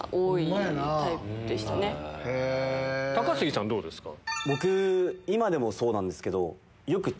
高杉さんどうですか？